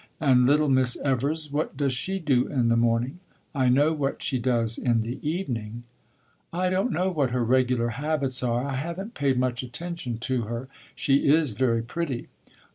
"And little Miss Evers what does she do in the morning? I know what she does in the evening!" "I don't know what her regular habits are. I have n't paid much attention to her. She is very pretty."